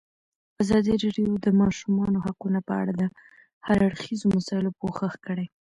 ازادي راډیو د د ماشومانو حقونه په اړه د هر اړخیزو مسایلو پوښښ کړی.